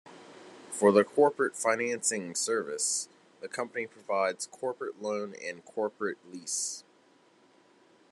For the corporate financing service, the company provides corporate loan and corporate lease.